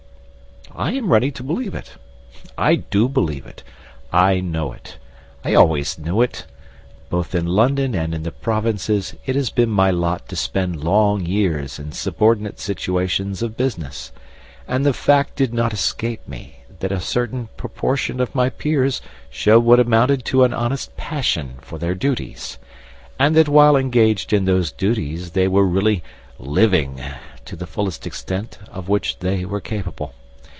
I am ready to believe it. I do believe it. I know it. I always knew it. Both in London and in the provinces it has been my lot to spend long years in subordinate situations of business; and the fact did not escape me that a certain proportion of my peers showed what amounted to an honest passion for their duties, and that while engaged in those duties they were really living to the fullest extent of which they were capable.